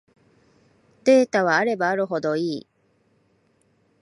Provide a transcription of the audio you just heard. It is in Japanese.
データはあればあるほどいい